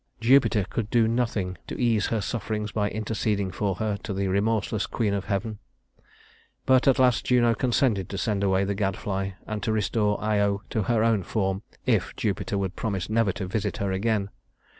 Jupiter could do nothing to ease her sufferings by interceding for her to the remorseless queen of heaven; but at last Juno consented to send away the gadfly and to restore Io to her own form if Jupiter would promise never to visit her again.